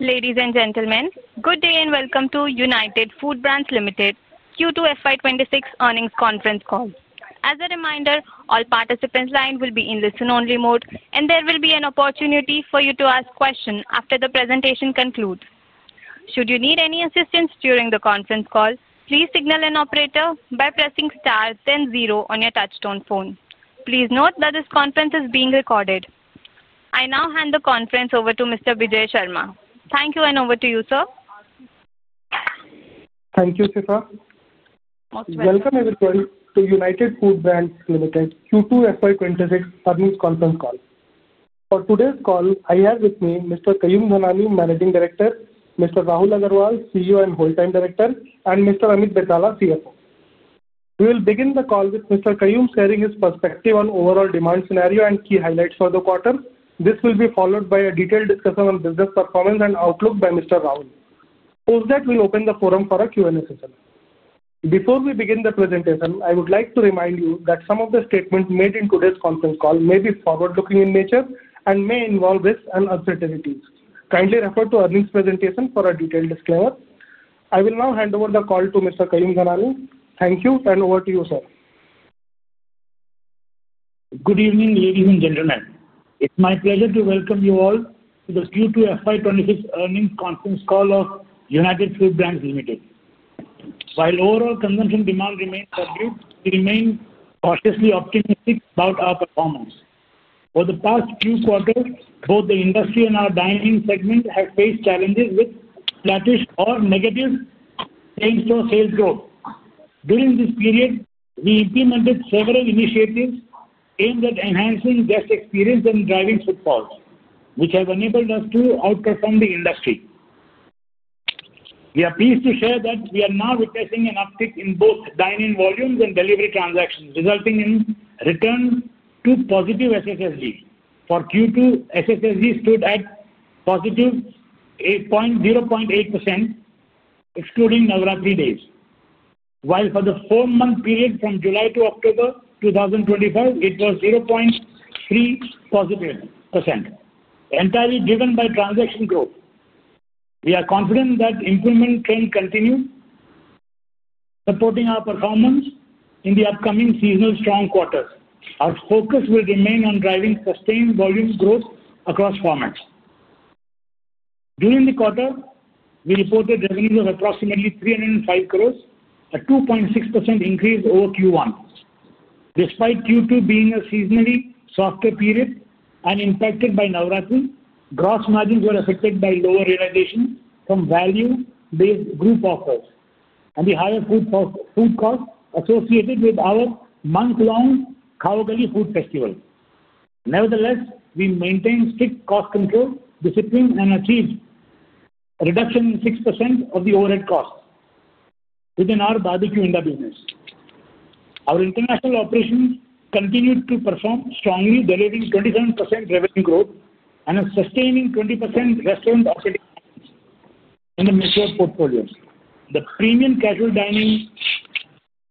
Ladies and gentlemen, good day and welcome to United Foodbrands Limited Q2 FY26 Earnings Conference Call. As a reminder, all participants' lines will be in listen-only mode, and there will be an opportunity for you to ask questions after the presentation concludes. Should you need any assistance during the conference call, please signal an operator by pressing star then zero on your touchstone phone. Please note that this conference is being recorded. I now hand the conference over to Mr. Bijay Sharma. Thank you, and over to you, sir. Thank you, Sipha. Most welcome. Welcome, everybody, to United Foodbrands Limited Q2 FY26 Earnings Conference Call. For today's call, I have with me Mr. Kayum Dhanani, Managing Director; Mr. Rahul Agrawal, CEO and Wholetime Director; and Mr. Amit Becala, CFO. We will begin the call with Mr. Kaiyum sharing his perspective on overall demand scenario and key highlights for the quarter. This will be followed by a detailed discussion on business performance and outlook by Mr. Rahul. Post that, we'll open the forum for a Q&A session. Before we begin the presentation, I would like to remind you that some of the statements made in today's conference call may be forward-looking in nature and may involve risks and uncertainties. Kindly refer to earnings presentation for a detailed disclaimer. I will now hand over the call to Mr. Kayum Dhanani. Thank you, and over to you, sir. Good evening, ladies and gentlemen. It's my pleasure to welcome you all to the Q2 FY26 Earnings Conference Call of United Foodbrands Limited. While overall consumption demand remains subdued, we remain cautiously optimistic about our performance. For the past few quarters, both the industry and our dining segment have faced challenges with flattish or negative chain store sales growth. During this period, we implemented several initiatives aimed at enhancing guest experience and driving footfalls, which have enabled us to outperform the industry. We are pleased to share that we are now replacing an uptick in both dining volumes and delivery transactions, resulting in return to positive SSSG. For Q2, SSSG stood at positive 0.8%, excluding Navratri days, while for the four-month period from July to October 2025, it was 0.3% positive, entirely driven by transaction growth. We are confident that the improvement trend continues, supporting our performance in the upcoming seasonal strong quarters. Our focus will remain on driving sustained volume growth across formats. During the quarter, we reported revenues of approximately 305 crore, a 2.6% increase over Q1. Despite Q2 being a seasonally softer period and impacted by Navratri, gross margins were affected by lower realization from value-based group offers and the higher food costs associated with our month-long Kavagali Food Festival. Nevertheless, we maintained strict cost control discipline and achieved a reduction of 6% of the overhead costs within our barbecue industry. Our international operations continued to perform strongly, delivering 27% revenue growth and a sustaining 20% restaurant operating margin in the metro portfolio. The premium casual dining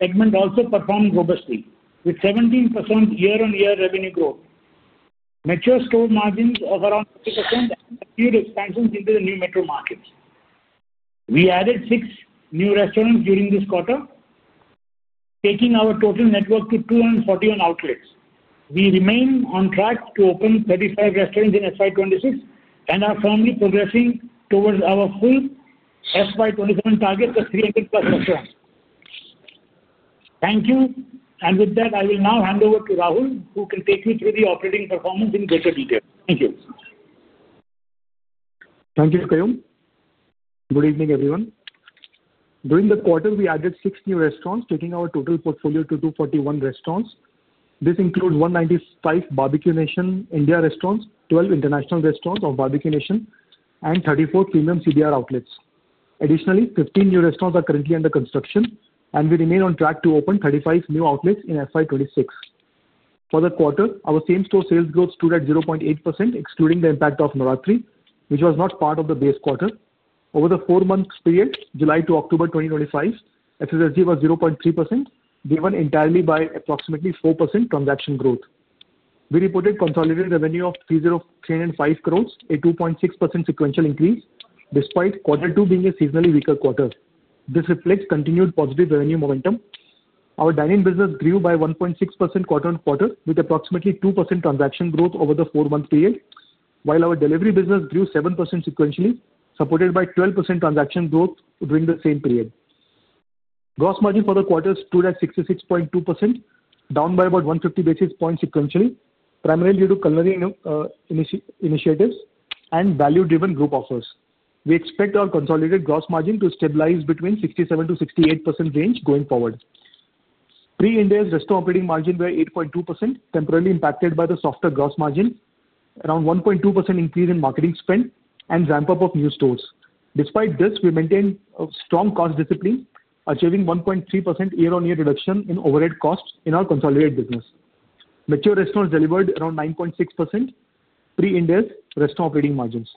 segment also performed robustly, with 17% year-on-year revenue growth, metro store margins of around 50%, and acute expansions into the new metro markets. We added six new restaurants during this quarter, taking our total network to 241 outlets. We remain on track to open 35 restaurants in FY 26 and are firmly progressing towards our full FY 27 target of 300+ restaurants. Thank you, and with that, I will now hand over to Rahul, who can take you through the operating performance in greater detail. Thank you. Thank you, Kayum. Good evening, everyone. During the quarter, we added six new restaurants, taking our total portfolio to 241 restaurants. This includes 195 Barbeque Nation India restaurants, 12 international restaurants of Barbeque Nation, and 34 premium CBR outlets. Additionally, 15 new restaurants are currently under construction, and we remain on track to open 35 new outlets in FY 26. For the quarter, our same-store sales growth stood at 0.8%, excluding the impact of Navratri, which was not part of the base quarter. Over the four-month period, July to October 2025, SSSG was 0.3%, driven entirely by approximately 4% transaction growth. We reported consolidated revenue of 303.5 crores, a 2.6% sequential increase, despite quarter two being a seasonally weaker quarter. This reflects continued positive revenue momentum. Our dining business grew by 1.6% quarter-on-quarter, with approximately 2% transaction growth over the four-month period, while our delivery business grew 7% sequentially, supported by 12% transaction growth during the same period. Gross margin for the quarter stood at 66.2%, down by about 150 basis points sequentially, primarily due to culinary initiatives and value-driven group offers. We expect our consolidated gross margin to stabilize between 67%-68% range going forward. Pre-Ind AS restaurant operating margin was 8.2%, temporarily impacted by the softer gross margin, around 1.2% increase in marketing spend, and ramp-up of new stores. Despite this, we maintained strong cost discipline, achieving 1.3% year-on-year reduction in overhead costs in our consolidated business. Mature restaurants delivered around 9.6% pre-Ind AS restaurant operating margins.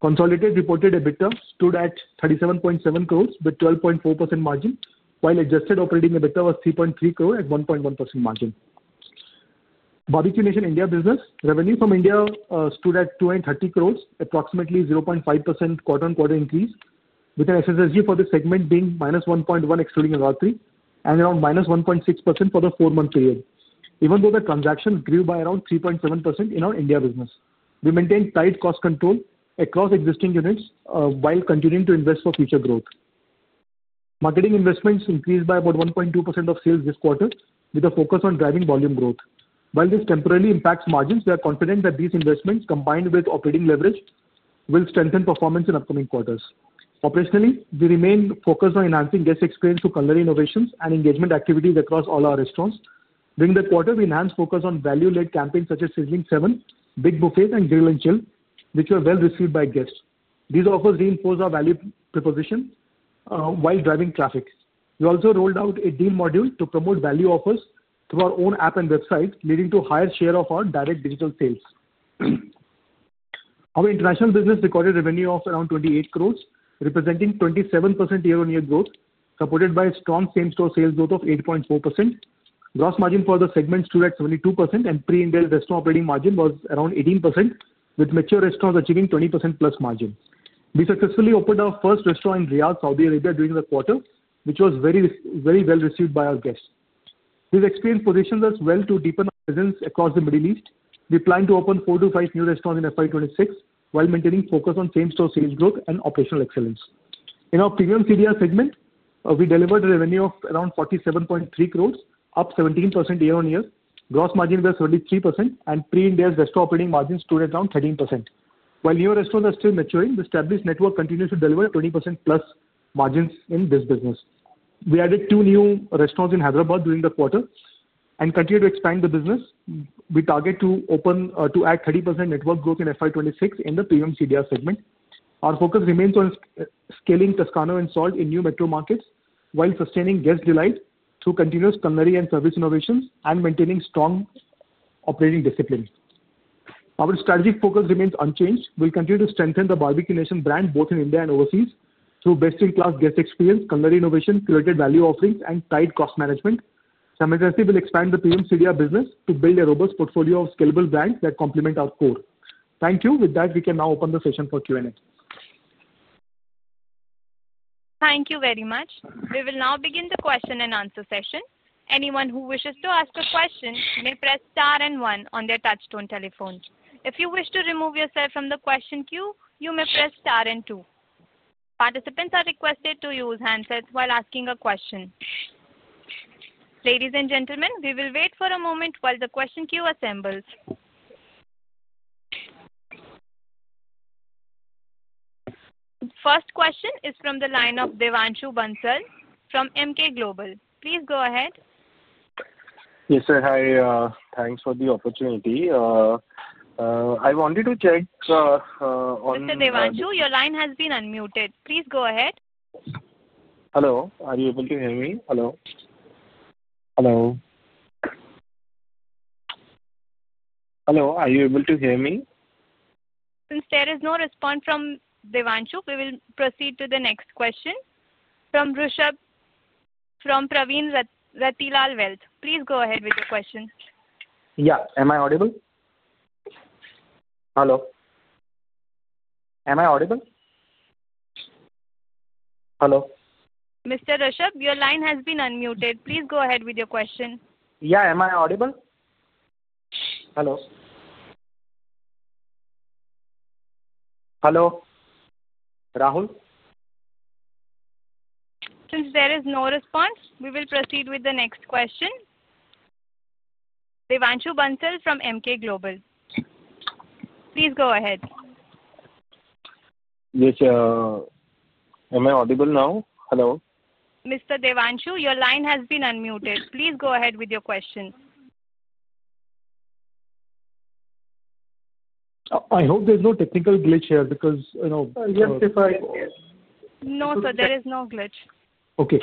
Consolidated reported EBITDA stood at 37.7 crores with 12.4% margin, while adjusted operating EBITDA was 3.3 crores at 1.1% margin. Barbeque Nation India business revenue from India stood at 230 crore, approximately 0.5% quarter-on-quarter increase, with an SSSG for the segment being -1.1%, excluding Navratri, and around -1.6% for the four-month period, even though the transactions grew by around 3.7% in our India business. We maintained tight cost control across existing units while continuing to invest for future growth. Marketing investments increased by about 1.2% of sales this quarter, with a focus on driving volume growth. While this temporarily impacts margins, we are confident that these investments, combined with operating leverage, will strengthen performance in upcoming quarters. Operationally, we remain focused on enhancing guest experience through culinary innovations and engagement activities across all our restaurants. During the quarter, we enhanced focus on value-led campaigns such as Sizzling 7, Big Buffet, and Grill & Chill, which were well received by guests. These offers reinforced our value proposition while driving traffic. We also rolled out a deal module to promote value offers through our own app and website, leading to a higher share of our direct digital sales. Our international business recorded revenue of around 28 crore, representing 27% year-on-year growth, supported by a strong same-store sales growth of 8.4%. Gross margin for the segment stood at 72%, and pre-Ind AS restaurant operating margin was around 18%, with mature restaurants achieving 20%+ margin. We successfully opened our first restaurant in Riyadh, Saudi Arabia, during the quarter, which was very well received by our guests. This experience positions us well to deepen our presence across the Middle East. We plan to open four to five new restaurants in FY 26 while maintaining focus on same-store sales growth and operational excellence. In our premium CBR segment, we delivered a revenue of around 47.3 crores, up 17% year-on-year. Gross margin was 73%, and pre-Ind AS restaurant operating margin stood at around 13%. While new restaurants are still maturing, the established network continues to deliver 20%+ margins in this business. We added two new restaurants in Hyderabad during the quarter and continue to expand the business. We target to add 30% network growth in FY 26 in the premium CBR segment. Our focus remains on scaling Toscano and Salt in new metro markets while sustaining guest delight through continuous culinary and service innovations and maintaining strong operating discipline. Our strategic focus remains unchanged. We'll continue to strengthen the Barbeque Nation brand both in India and overseas through best-in-class guest experience, culinary innovation, curated value offerings, and tight cost management. Simultaneously, we'll expand the premium CBR business to build a robust portfolio of scalable brands that complement our core. Thank you. With that, we can now open the session for Q&A. Thank you very much. We will now begin the question-and-answer session. Anyone who wishes to ask a question may press star and one on their touchstone telephone. If you wish to remove yourself from the question queue, you may press star and two. Participants are requested to use handsets while asking a question. Ladies and gentlemen, we will wait for a moment while the question queue assembles. The first question is from the line of Devanshu Bansal from Emkay Global. Please go ahead. Yes, sir. Hi. Thanks for the opportunity. I wanted to check on. Mr. Devanshu, your line has been unmuted. Please go ahead. Hello. Are you able to hear me? Since there is no response from Devanshu, we will proceed to the next question from Rishabh from Pravin Ratilal Welt. Please go ahead with your question. Yeah. Am I audible? Hello. Am I audible? Hello. Mr. Rishabh, your line has been unmuted. Please go ahead with your question. Yeah. Am I audible? Hello. Hello. Rahul? Since there is no response, we will proceed with the next question. Devanshu Bansal from Emkay Global. Please go ahead. Yes. Am I audible now? Hello. Mr. Devanshu, your line has been unmuted. Please go ahead with your question. I hope there's no technical glitch here because if I. No, sir. There is no glitch. Okay.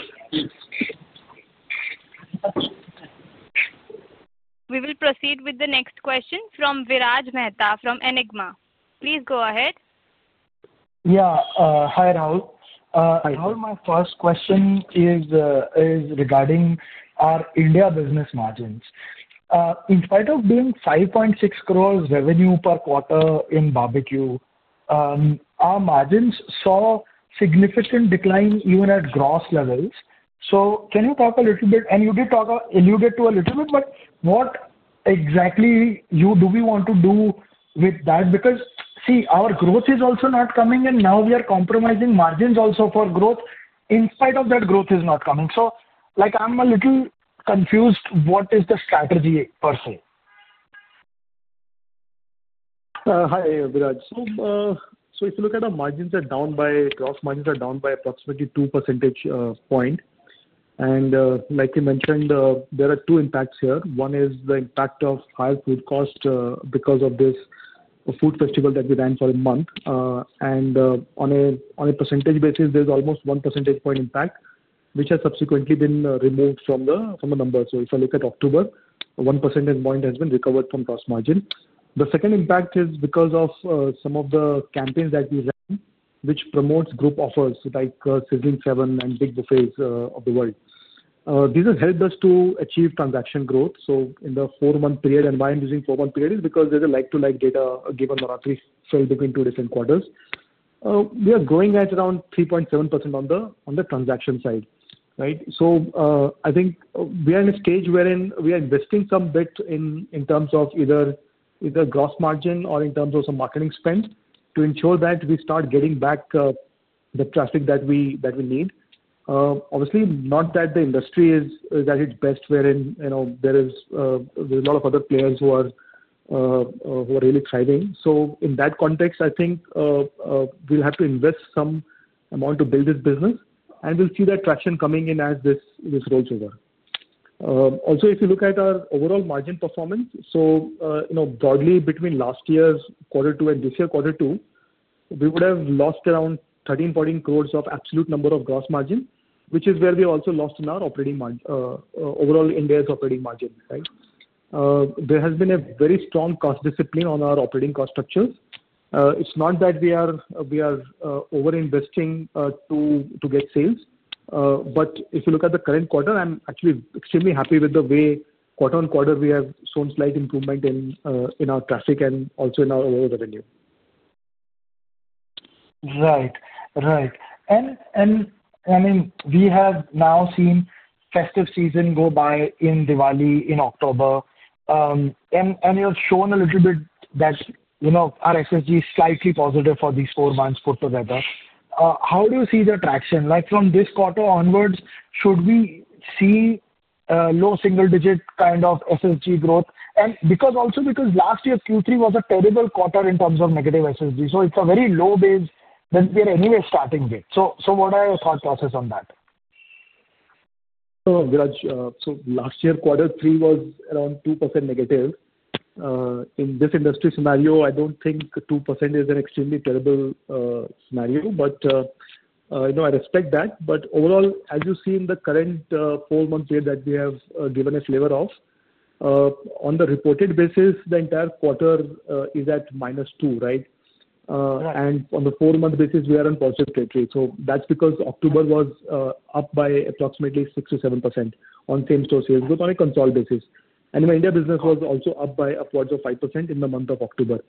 We will proceed with the next question from Viraj Mehta from Enigma. Please go ahead. Yeah. Hi, Rahul. Rahul, my first question is regarding our India business margins. In spite of being 5.6 crore revenue per quarter in Barbeque, our margins saw significant decline even at gross levels. Can you talk a little bit? You did talk a little bit, but what exactly do we want to do with that? Because, see, our growth is also not coming, and now we are compromising margins also for growth. In spite of that, growth is not coming. I am a little confused what is the strategy per se. Hi, Viraj. If you look at our margins, our gross margins are down by approximately 2 percentage points. Like you mentioned, there are two impacts here. One is the impact of higher food costs because of this food festival that we ran for a month. On a percentage basis, there is almost 1 percentage point impact, which has subsequently been removed from the numbers. If I look at October, 1 percentage point has been recovered from gross margin. The second impact is because of some of the campaigns that we ran, which promote group offers like Sizzling 7 and Big Buffet. These have helped us to achieve transaction growth. In the four-month period, and why I am using four-month period is because there is a like-to-like data given Navratri fell between two different quarters. We are growing at around 3.7% on the transaction side, right? I think we are in a stage wherein we are investing some bit in terms of either gross margin or in terms of some marketing spend to ensure that we start getting back the traffic that we need. Obviously, not that the industry is at its best wherein there are a lot of other players who are really thriving. In that context, I think we will have to invest some amount to build this business, and we will see that traction coming in as this rolls over. Also, if you look at our overall margin performance, broadly between last year's quarter two and this year's quarter two, we would have lost around 13-14 crore of absolute number of gross margin, which is where we also lost in our overall India's operating margin, right? There has been a very strong cost discipline on our operating cost structure. It's not that we are over-investing to get sales, but if you look at the current quarter, I'm actually extremely happy with the way quarter-on-quarter we have shown slight improvement in our traffic and also in our overall revenue. Right. Right. I mean, we have now seen festive season go by in Diwali in October, and you have shown a little bit that our SSG is slightly positive for these four months put together. How do you see the traction? From this quarter onwards, should we see low single-digit kind of SSG growth? Also, because last year's Q3 was a terrible quarter in terms of negative SSG, it is a very low base that we are anyway starting with. What are your thought process on that? Viraj, last year's quarter three was around -2%. In this industry scenario, I do not think 2% is an extremely terrible scenario, but I respect that. Overall, as you see in the current four-month period that we have given a flavor of, on the reported basis, the entire quarter is at -2%, right? On the four-month basis, we are on positive territory. That is because October was up by approximately 6-7% on same-store sales growth on a consolidated basis. The India business was also up by upwards of 5% in the month of October.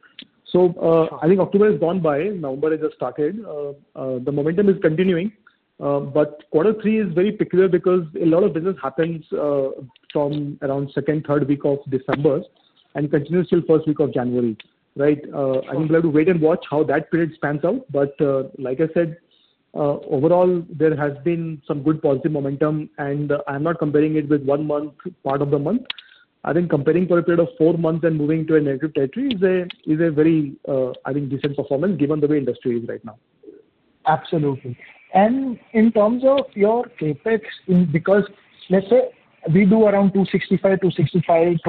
I think October has gone by. November has just started. The momentum is continuing, but quarter three is very peculiar because a lot of business happens from around the second, third week of December and continues till the first week of January, right? I think we'll have to wait and watch how that period spans out. Like I said, overall, there has been some good positive momentum, and I'm not comparing it with one month, part of the month. I think comparing for a period of four months and moving to a negative territory is a very, I think, decent performance given the way the industry is right now. Absolutely. In terms of your CapEx, because let's say we do around 265, 265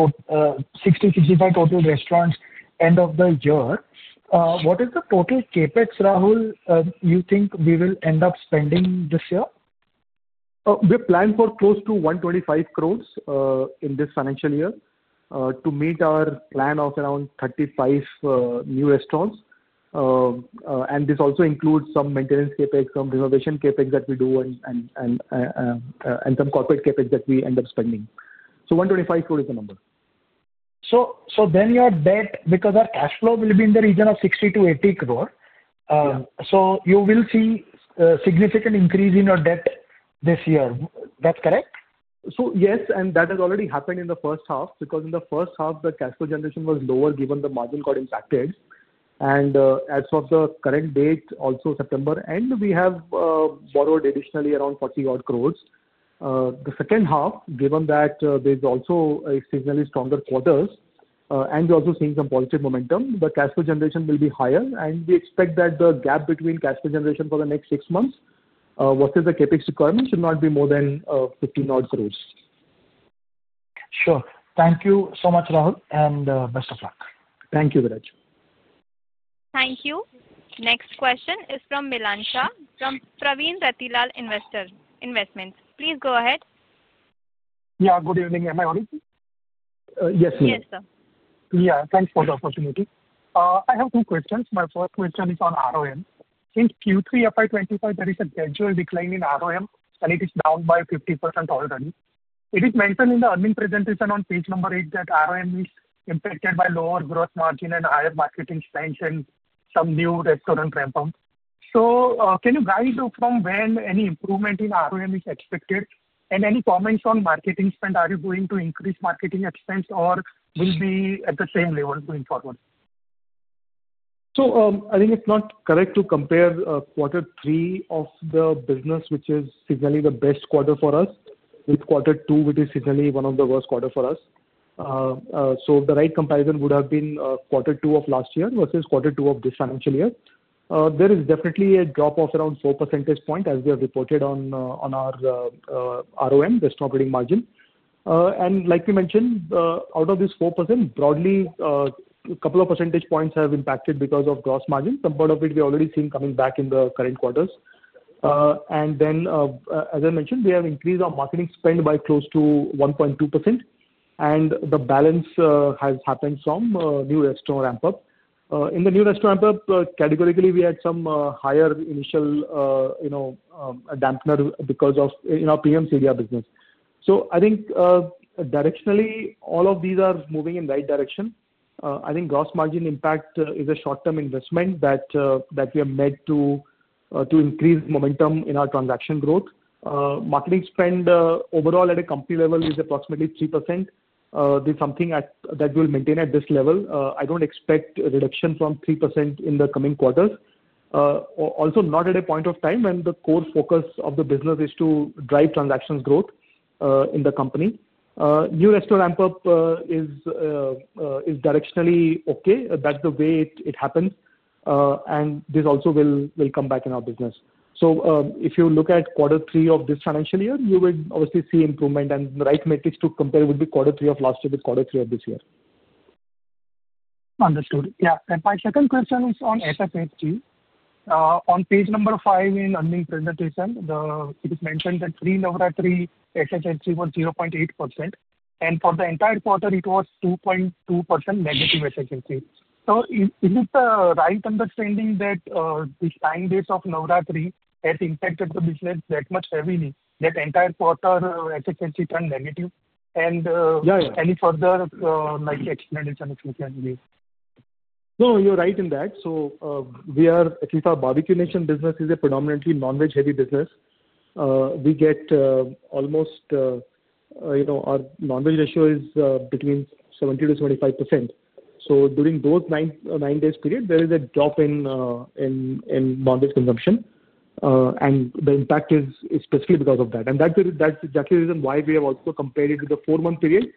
total restaurants end of the year, what is the total CapEx, Rahul, you think we will end up spending this year? We plan for close to 125 crore in this financial year to meet our plan of around 35 new restaurants. This also includes some maintenance CapEx, some renovation CapEx that we do, and some corporate CapEx that we end up spending. 125 crore is the number. Then your debt, because our cash flow will be in the region of 60-80 crores, you will see a significant increase in your debt this year. That's correct? Yes, and that has already happened in the first half because in the first half, the cash flow generation was lower given the margin got impacted. As of the current date, also September, we have borrowed additionally around 40 crore. The second half, given that there is also a seasonally stronger quarter, and we are also seeing some positive momentum, the cash flow generation will be higher. We expect that the gap between cash flow generation for the next six months versus the CapEx requirement should not be more than 50 crore. Sure. Thank you so much, Rahul, and best of luck. Thank you, Viraj. Thank you. Next question is from Milansha from Pravin Ratilal Investments. Please go ahead. Yeah. Good evening. Am I audible? Yes, sir. Yes, sir. Yeah. Thanks for the opportunity. I have two questions. My first question is on ROM. Since Q3 FY 25, there is a gradual decline in ROM, and it is down by 50% already. It is mentioned in the earnings presentation on page number eight that ROM is impacted by lower gross margin and higher marketing spend and some new restaurant reforms. Can you guide from when any improvement in ROM is expected? Any comments on marketing spend? Are you going to increase marketing expense or will it be at the same level going forward? I think it's not correct to compare quarter three of the business, which is seasonally the best quarter for us, with quarter two, which is seasonally one of the worst quarters for us. The right comparison would have been quarter two of last year versus quarter two of this financial year. There is definitely a drop of around 4 percentage points as we have reported on our ROM, restaurant operating margin. Like you mentioned, out of this 4%, broadly, a couple of percentage points have impacted because of gross margin. Some part of it we are already seeing coming back in the current quarters. As I mentioned, we have increased our marketing spend by close to 1.2%, and the balance has happened from new restaurant ramp-up. In the new restaurant ramp-up, categorically, we had some higher initial dampener because of our premium CBR business. I think directionally, all of these are moving in the right direction. I think gross margin impact is a short-term investment that we have made to increase momentum in our transaction growth. Marketing spend overall at a company level is approximately 3%. There's something that will maintain at this level. I don't expect a reduction from 3% in the coming quarters. Also, not at a point of time when the core focus of the business is to drive transactions growth in the company. New restaurant ramp-up is directionally okay. That's the way it happens, and this also will come back in our business. If you look at quarter three of this financial year, you will obviously see improvement, and the right metrics to compare would be quarter three of last year with quarter three of this year. Understood. Yeah. My second question is on HSHG. On page number five in the earnings presentation, it is mentioned that pre-Navratri HSHG was 0.8%, and for the entire quarter, it was -2.2% HSHG. Is it the right understanding that these nine days of Navratri have impacted the business that much heavily that the entire quarter HSHG turned negative? Any further explanation if you can give? No, you're right in that. We are, at least our Barbeque Nation business is a predominantly non-veg heavy business. We get almost our non-veg ratio is between 70-75%. During those nine days period, there is a drop in non-veg consumption, and the impact is specifically because of that. That is exactly the reason why we have also compared it with the four-month period,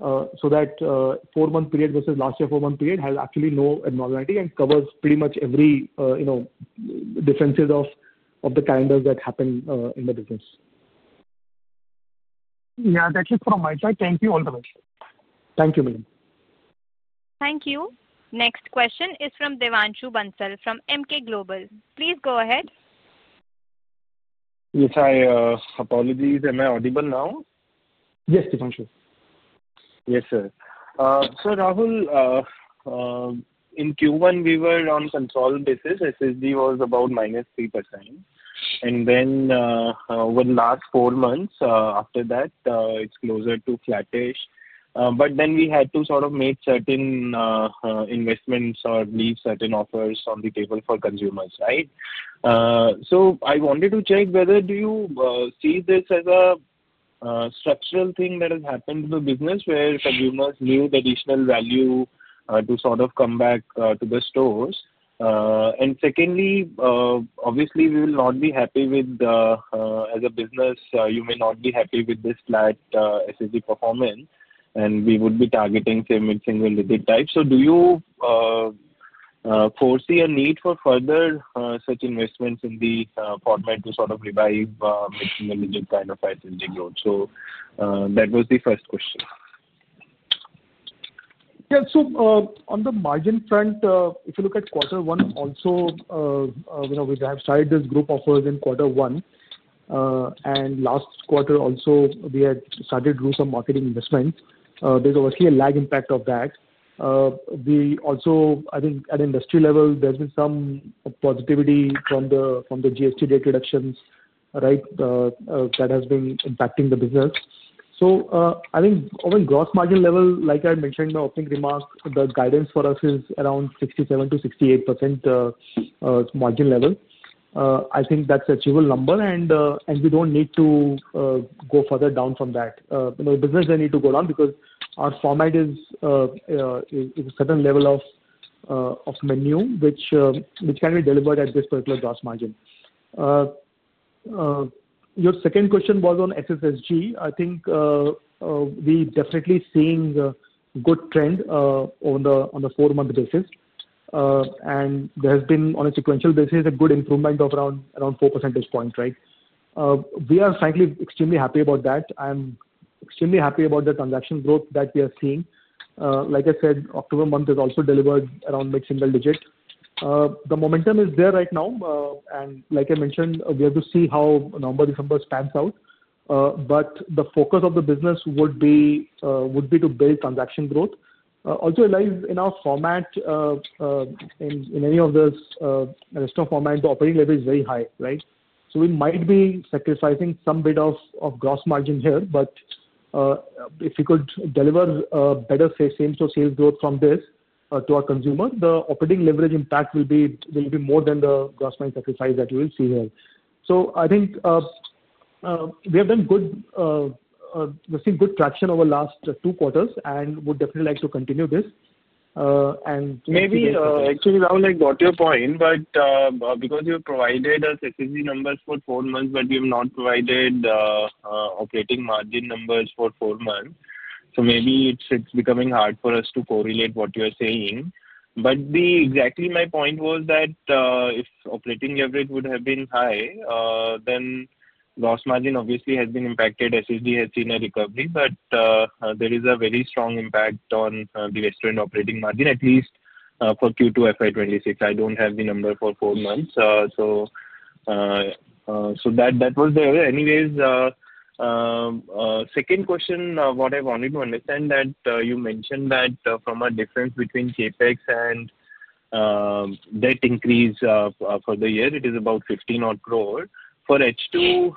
so that four-month period versus last year's four-month period has actually no abnormality and covers pretty much every difference of the calendars that happen in the business. Yeah. That's it from my side. Thank you, all the best. Thank you, Milansha. Thank you. Next question is from Devanshu Bansal from Emkay Global. Please go ahead. Yes, hi. Apologies. Am I audible now? Yes, Devanshu. Yes, sir. Rahul, in Q1, we were on a consolidated basis. SSG was about -3%. Over the last four months after that, it is closer to flattish. We had to sort of make certain investments or leave certain offers on the table for consumers, right? I wanted to check whether you see this as a structural thing that has happened to the business where consumers need additional value to sort of come back to the stores? Secondly, obviously, we will not be happy with, as a business, you may not be happy with this flat SSG performance, and we would be targeting same single-digit type. Do you foresee a need for further such investments in the format to sort of revive mixing a little kind of SSG growth? That was the first question. Yeah. On the margin front, if you look at quarter one, also we have started these group offers in quarter one. Last quarter, also, we had started to do some marketing investments. There is obviously a lag impact of that. I think at industry level, there has been some positivity from the GST rate reductions, right, that has been impacting the business. I think on the gross margin level, like I had mentioned in my opening remark, the guidance for us is around 67%-68% margin level. I think that is an achievable number, and we do not need to go further down from that. The business does not need to go down because our format is a certain level of menu, which can be delivered at this particular gross margin. Your second question was on SSSG. I think we're definitely seeing a good trend on the four-month basis, and there has been, on a sequential basis, a good improvement of around 4 percentage points, right? We are frankly extremely happy about that. I'm extremely happy about the transaction growth that we are seeing. Like I said, October month has also delivered around mid-single digit. The momentum is there right now. Like I mentioned, we have to see how November, December stands out. The focus of the business would be to build transaction growth. Also, in our format, in any of those restaurant formats, the operating level is very high, right? We might be sacrificing some bit of gross margin here, but if we could deliver better sales growth from this to our consumers, the operating leverage impact will be more than the gross margin sacrifice that you will see here. I think we have done good, we've seen good traction over the last two quarters and would definitely like to continue this. Maybe, actually, Rahul, I got your point, but because you provided us SSG numbers for four months, but we have not provided operating margin numbers for four months. Maybe it is becoming hard for us to correlate what you are saying. Exactly my point was that if operating leverage would have been high, then gross margin obviously has been impacted. SSG has seen a recovery, but there is a very strong impact on the restaurant operating margin, at least for Q2 FY 26. I do not have the number for four months. That was there. Anyways, second question, what I wanted to understand is that you mentioned that from a difference between CapEx and debt increase for the year, it is about 15 crore. For H2,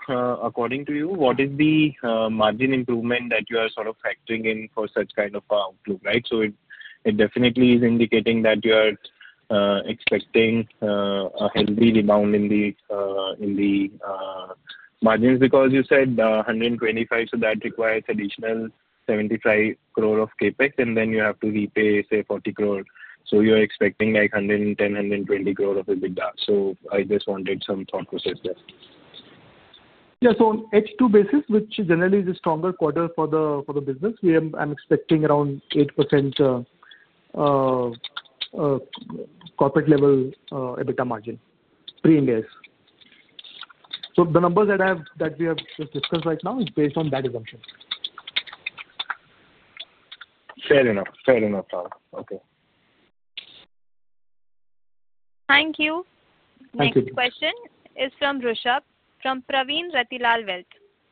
according to you, what is the margin improvement that you are sort of factoring in for such kind of outlook, right? It definitely is indicating that you are expecting a healthy rebound in the margins because you said 125, so that requires additional 75 crore of CapEx, and then you have to repay, say, 40 crore. You are expecting like 110-120 crore of EBITDA. I just wanted some thought process there. Yeah. On H2 basis, which generally is a stronger quarter for the business, I'm expecting around 8% corporate-level EBITDA margin pre-index. The numbers that we have just discussed right now are based on that assumption. Fair enough. Fair enough, Rahul. Okay. Thank you. Next question is from Rishabh from Pravin Ratilal.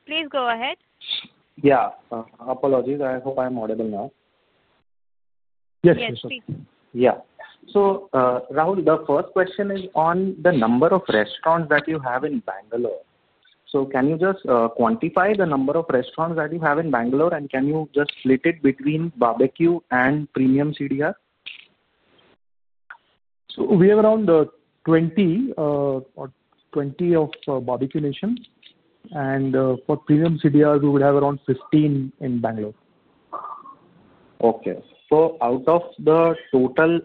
Please go ahead. Yeah. Apologies. I hope I'm audible now. Yes. Yes, speak. Yeah. So Rahul, the first question is on the number of restaurants that you have in Bangalore. Can you just quantify the number of restaurants that you have in Bangalore, and can you just split it between barbecue and premium CDR? We have around 20 of Barbeque Nation, and for premium CDR, we would have around 15 in Bangalore. Okay. So out of the total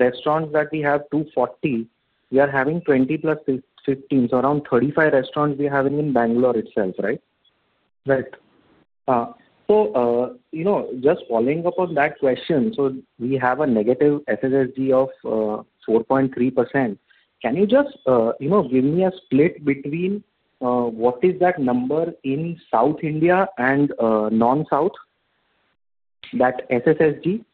restaurants that we have, 240, we are having 20+15. So around 35 restaurants we have in Bangalore itself, right? Right. Just following up on that question, we have a negative SSSG of 4.3%. Can you just give me a split between what is that number in South India and non-South, that SSSG?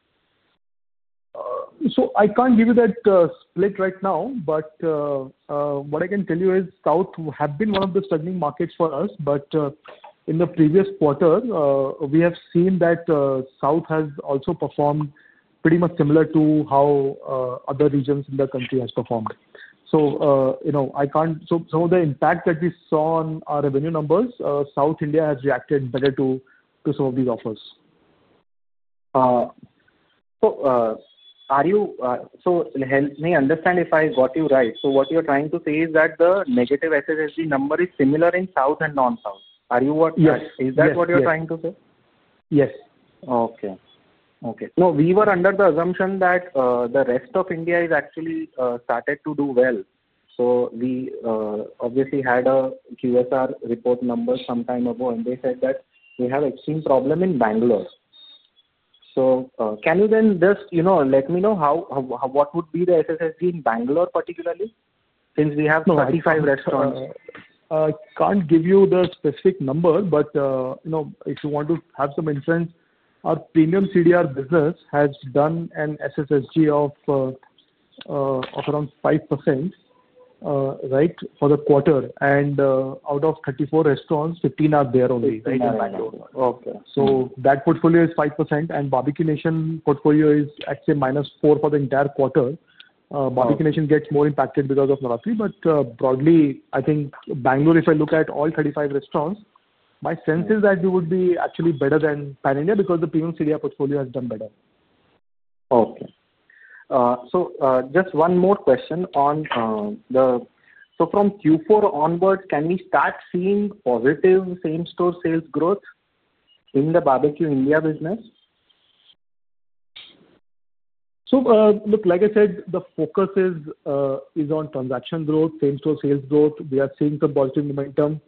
I can't give you that split right now, but what I can tell you is South have been one of the struggling markets for us. In the previous quarter, we have seen that South has also performed pretty much similar to how other regions in the country have performed. I can't, so the impact that we saw on our revenue numbers, South India has reacted better to some of these offers. Help me understand if I got you right. What you're trying to say is that the negative SSSG number is similar in South and non-South. Are you what? Yes. Is that what you're trying to say? Yes. Okay. Okay. No, we were under the assumption that the rest of India is actually started to do well. So we obviously had a QSR report number some time ago, and they said that we have extreme problem in Bangalore. Can you then just let me know what would be the SSSG in Bangalore particularly since we have 35 restaurants? I can't give you the specific number, but if you want to have some inference, our premium CDR business has done an SSSG of around 5% for the quarter. Out of 34 restaurants, 15 are there only in Bangalore. Okay. That portfolio is 5%, and Barbeque Nation portfolio is, I'd say, -4% for the entire quarter. Barbeque Nation gets more impacted because of Navratri. Broadly, I think Bangalore, if I look at all 35 restaurants, my sense is that we would be actually better than Pan India because the premium CDR portfolio has done better. Okay. So just one more question on the, so from Q4 onwards, can we start seeing positive same-store sales growth in the Barbeque Nation India business? Like I said, the focus is on transaction growth, same-store sales growth. We are seeing some positive momentum.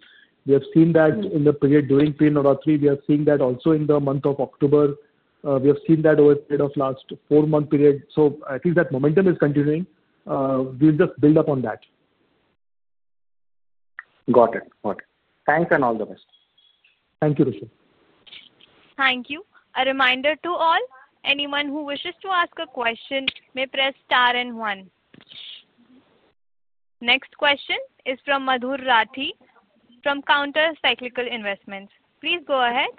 We have seen that in the period during pre-Navratri. We are seeing that also in the month of October. We have seen that over the period of the last four-month period. I think that momentum is continuing. We'll just build upon that. Got it. Got it. Thanks and all the best. Thank you, Rishabh. Thank you. A reminder to all, anyone who wishes to ask a question may press star and one. Next question is from Madhur Rathi from Counter Cyclical Investments. Please go ahead.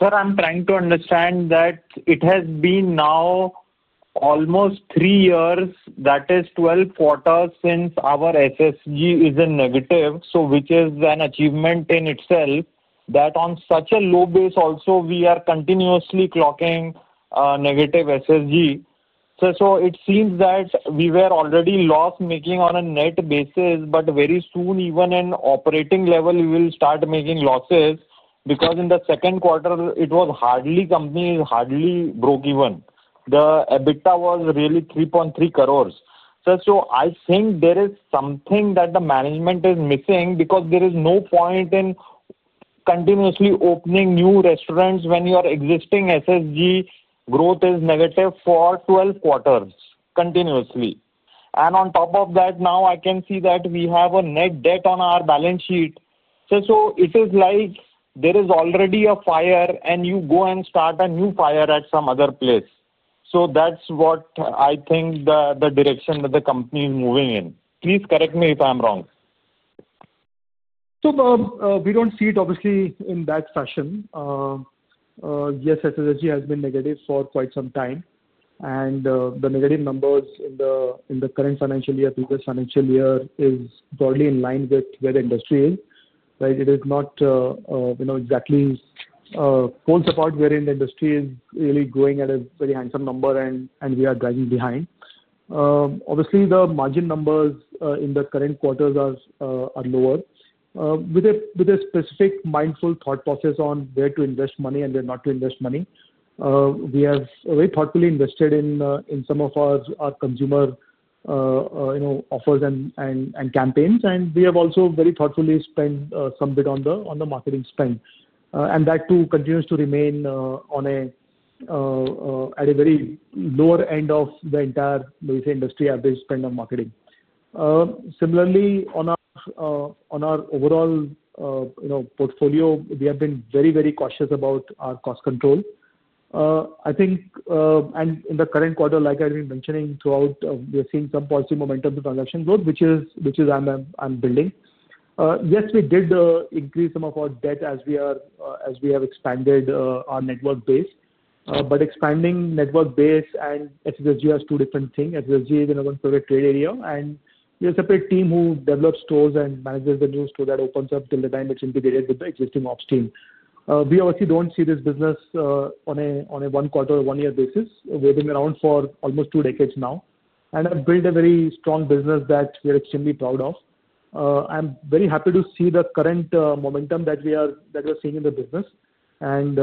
Sir, I'm trying to understand that it has been now almost three years, that is 12 quarters since our SSG is in negative, which is an achievement in itself that on such a low base, also, we are continuously clocking negative SSG. It seems that we were already loss-making on a net basis, but very soon, even at the operating level, we will start making losses because in the second quarter, the company hardly broke even. The EBITDA was really 3.3 crores. I think there is something that the management is missing because there is no point in continuously opening new restaurants when your existing SSG growth is negative for 12 quarters continuously. On top of that, now I can see that we have a net debt on our balance sheet. It is like there is already a fire, and you go and start a new fire at some other place. That is what I think the direction that the company is moving in. Please correct me if I am wrong. We do not see it obviously in that fashion. Yes, SSSG has been negative for quite some time. The negative numbers in the current financial year, previous financial year, are broadly in line with where the industry is, right? It is not exactly full support wherein the industry is really going at a very handsome number, and we are dragging behind. Obviously, the margin numbers in the current quarters are lower. With a specific mindful thought process on where to invest money and where not to invest money, we have very thoughtfully invested in some of our consumer offers and campaigns, and we have also very thoughtfully spent some bit on the marketing spend. That too continues to remain at a very lower end of the entire, let me say, industry average spend on marketing. Similarly, on our overall portfolio, we have been very, very cautious about our cost control. I think, and in the current quarter, like I've been mentioning throughout, we are seeing some positive momentum to transaction growth, which is I'm building. Yes, we did increase some of our debt as we have expanded our network base. Expanding network base and SSSG are two different things. SSSG is in a one-quarter trade area, and we have a separate team who develops stores and manages the new stores that opens up till the time it's integrated with the existing ops team. We obviously don't see this business on a one-quarter or one-year basis. We've been around for almost two decades now, and have built a very strong business that we are extremely proud of. I'm very happy to see the current momentum that we are seeing in the business, and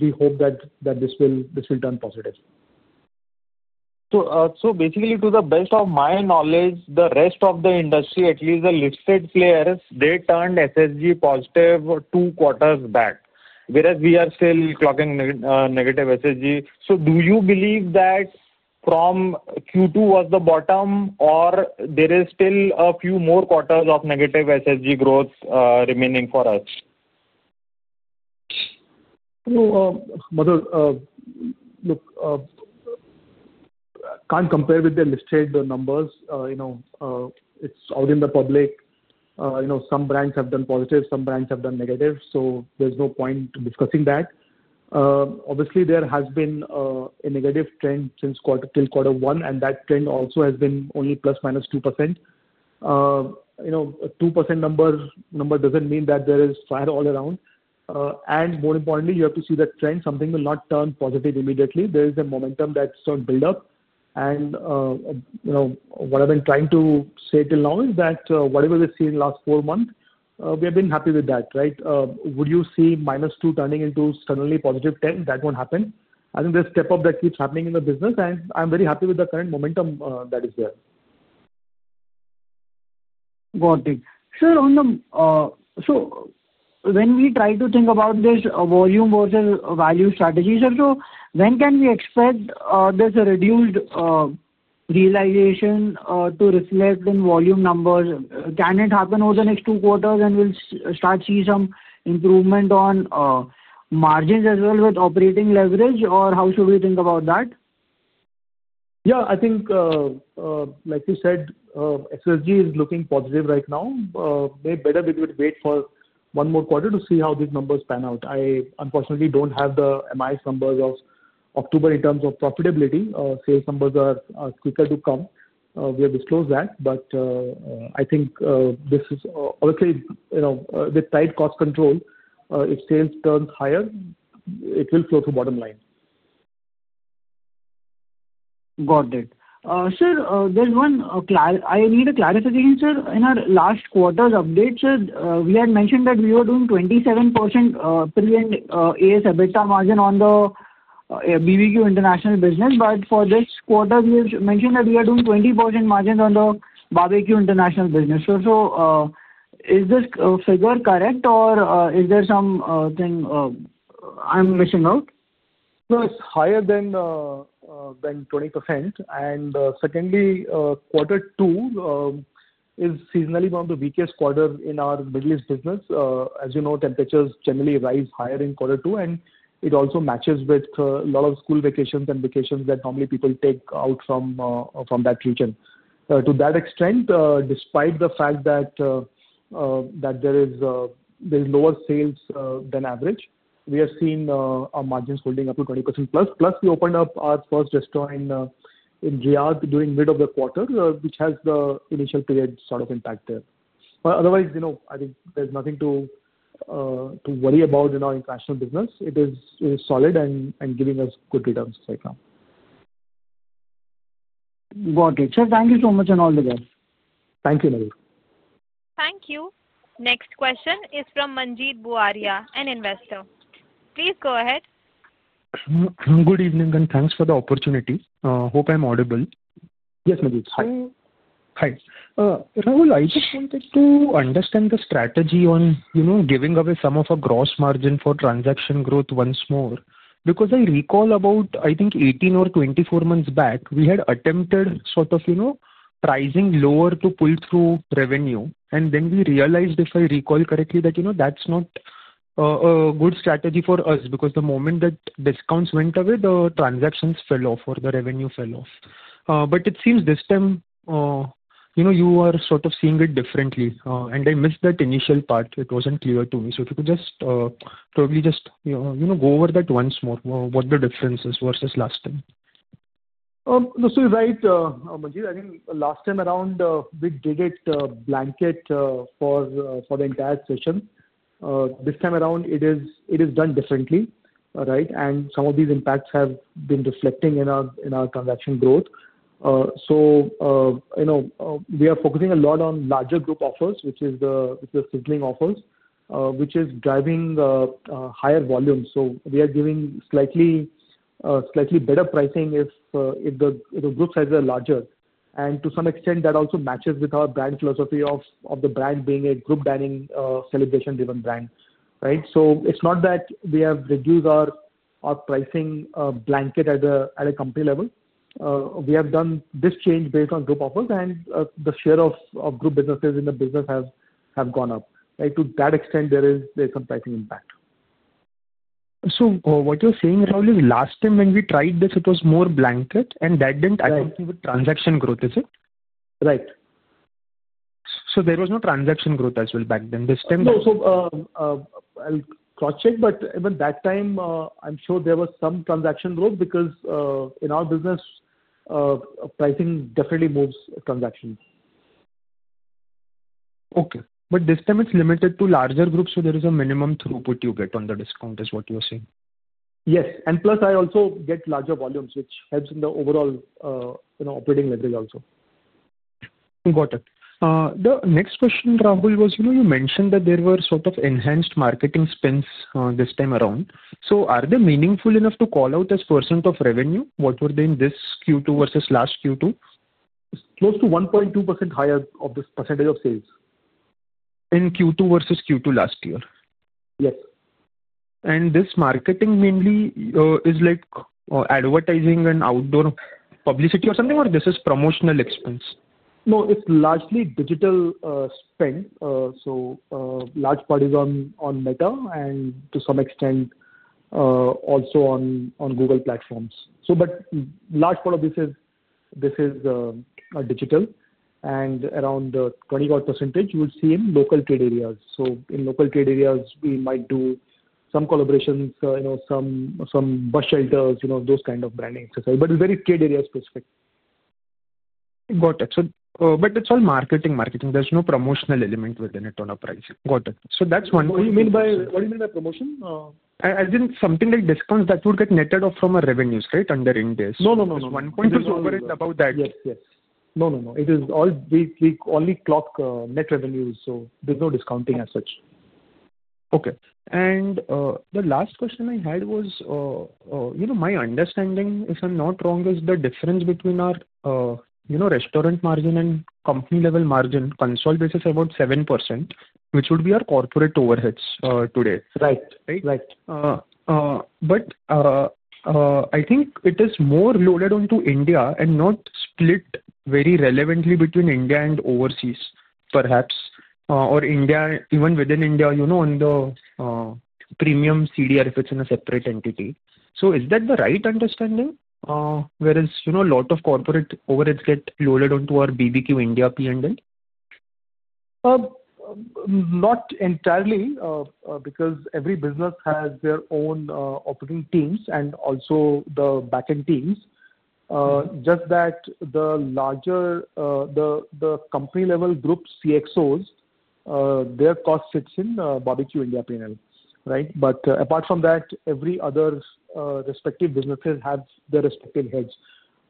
we hope that this will turn positive. Basically, to the best of my knowledge, the rest of the industry, at least the listed players, they turned SSSG positive two quarters back, whereas we are still clocking negative SSSG. Do you believe that Q2 was the bottom, or there are still a few more quarters of negative SSSG growth remaining for us? Madhur, look, I can't compare with the listed numbers. It's out in the public. Some brands have done positive. Some brands have done negative. There's no point discussing that. Obviously, there has been a negative trend till quarter one, and that trend also has been only plus minus 2%. 2% number doesn't mean that there is fire all around. More importantly, you have to see that trend. Something will not turn positive immediately. There is a momentum that's built up. What I've been trying to say till now is that whatever we've seen last four months, we have been happy with that, right? Would you see minus 2 turning into suddenly positive 10? That won't happen. I think there's step-up that keeps happening in the business, and I'm very happy with the current momentum that is there. Got it. Sir, when we try to think about this volume versus value strategy, sir, when can we expect there is a reduced realization to reflect in volume numbers? Can it happen over the next two quarters, and we will start to see some improvement on margins as well with operating leverage, or how should we think about that? Yeah. I think, like you said, SSG is looking positive right now. Maybe better we would wait for one more quarter to see how these numbers pan out. I unfortunately do not have the MIS numbers of October in terms of profitability. Sales numbers are quicker to come. We have disclosed that, but I think this is obviously with tight cost control, if sales turn higher, it will flow through bottom line. Got it. Sir, there's one I need a clarification, sir. In our last quarter's update, sir, we had mentioned that we were doing 27% per year as EBITDA margin on the BBQ international business, but for this quarter, we have mentioned that we are doing 20% margin on the BBQ international business. So is this figure correct, or is there something I'm missing out? It is higher than 20%. Secondly, quarter two is seasonally one of the weakest quarters in our Middle East business. As you know, temperatures generally rise higher in quarter two, and it also matches with a lot of school vacations and vacations that normally people take out from that region. To that extent, despite the fact that there is lower sales than average, we have seen our margins holding up to 20% plus. Plus, we opened up our first restaurant in Riyadh during the middle of the quarter, which has the initial period sort of impact there. Otherwise, I think there is nothing to worry about in our international business. It is solid and giving us good returns right now. Got it. Sir, thank you so much and all the best. Thank you, Madhur. Thank you. Next question is from Manjeet Buaria, an investor. Please go ahead. Good evening, and thanks for the opportunity. Hope I'm audible. Yes, Manjeet. Hi. Hi. Rahul, I just wanted to understand the strategy on giving away some of our gross margin for transaction growth once more because I recall about, I think, 18 or 24 months back, we had attempted sort of pricing lower to pull through revenue, and then we realized, if I recall correctly, that that's not a good strategy for us because the moment that discounts went away, the transactions fell off or the revenue fell off. It seems this time you are sort of seeing it differently, and I missed that initial part. It wasn't clear to me. If you could just probably just go over that once more, what the difference is versus last time. You're right, Manjeet. I think last time around, we did it blanket for the entire session. This time around, it is done differently, right? Some of these impacts have been reflecting in our transaction growth. We are focusing a lot on larger group offers, which is the sizzling offers, which is driving higher volume. We are giving slightly better pricing if the group sizes are larger. To some extent, that also matches with our brand philosophy of the brand being a group dining celebration-driven brand, right? It is not that we have reduced our pricing blanket at a company level. We have done this change based on group offers, and the share of group businesses in the business has gone up. To that extent, there is some pricing impact. What you're saying, Rahul, is last time when we tried this, it was more blanket, and that didn't affect transaction growth, is it? Right. There was no transaction growth as well back then. This time? No, so I'll cross-check, but that time, I'm sure there was some transaction growth because in our business, pricing definitely moves transactions. Okay. This time, it's limited to larger groups, so there is a minimum throughput you get on the discount, is what you're saying. Yes. Plus, I also get larger volumes, which helps in the overall operating leverage also. Got it. The next question, Rahul, was you mentioned that there were sort of enhanced marketing spends this time around. So are they meaningful enough to call out as percent of revenue? What were they in this Q2 versus last Q2? Close to 1.2% higher of the percentage of sales. In Q2 versus Q2 last year? Yes. Is this marketing mainly like advertising and outdoor publicity or something, or is this promotional expense? No, it is largely digital spend. A large part is on Meta and to some extent also on Google platforms. A large part of this is digital, and around 20% you will see in local trade areas. In local trade areas, we might do some collaborations, some bus shelters, those kinds of branding exercises. It is very trade area specific. Got it. But it's all marketing, marketing. There's no promotional element within it on a price. Got it. So that's one thing. What do you mean by promotion? As in something like discounts that would get netted off from our revenues, right, under index? No, no. 1.2% about that. Yes, no, it is all we only clock net revenues, so there's no discounting as such. Okay. The last question I had was my understanding, if I'm not wrong, is the difference between our restaurant margin and company-level margin consult basis is about 7%, which would be our corporate overheads today, right? Right, right. I think it is more loaded onto India and not split very relevantly between India and overseas, perhaps, or even within India on the premium CDR if it's in a separate entity. Is that the right understanding, whereas a lot of corporate overheads get loaded onto our BBQ India P&L? Not entirely because every business has their own operating teams and also the backend teams. Just that the larger company-level group CXOs, their cost sits in Barbeque Nation India P&L, right? Apart from that, every other respective business has their respective heads.